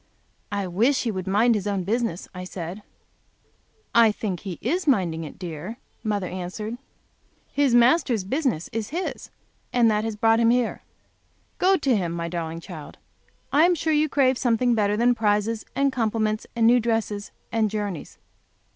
"I wish he would mind his own business," I said. "I think he is minding it, dear," mother answered. "His Master's business is his, and that has brought him here. Go to him, my darling child; I am sure you crave something better than prizes and compliments and new dresses and journeys."